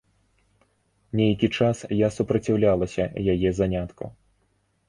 Нейкі час я супраціўлялася яе занятку.